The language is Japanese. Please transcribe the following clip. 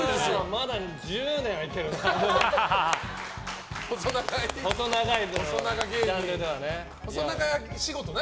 まだ１０年はいけるな。